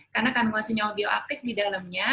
karena kandungan sinyal bioaktif di dalamnya